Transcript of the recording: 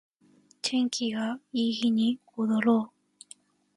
天気がいい日に踊ろう